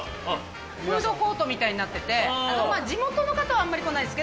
フードコートみたいになってて地元の方はあんまり来ないですけど